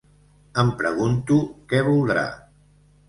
Em pregunto què voldrà?